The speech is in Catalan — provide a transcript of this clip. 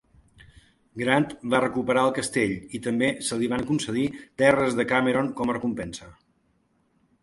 Grant va recuperar el castell, i també se li van concedir terres de Cameron com a recompensa.